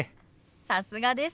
さすがです！